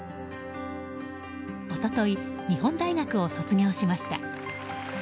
一昨日、日本大学を卒業しました。